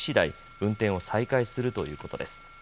運転を再開するということです。